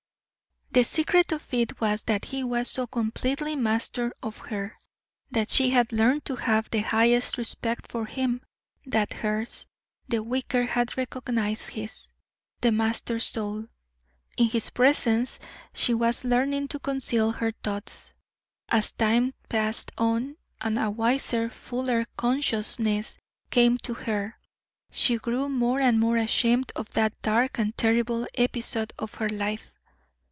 The secret of it was that he was so completely master of her, that she had learned to have the highest respect for him that hers, the weaker, had recognized his, the master soul. In his presence she was learning to conceal her thoughts. As time passed on, and a wiser, fuller, consciousness came to her, she grew more and more ashamed of that dark and terrible episode of her life.